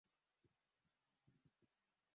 ee ni ni lazima aa aachilie ngazi